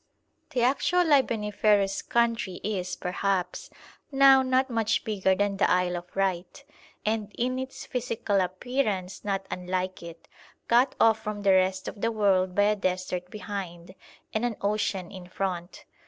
The actual libaniferous country is, perhaps, now not much bigger than the Isle of Wight, and in its physical appearance not unlike it, cut off from the rest of the world by a desert behind and an ocean in front.